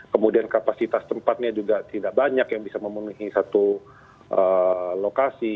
kemudian kapasitas tempatnya juga tidak banyak yang bisa memenuhi satu lokasi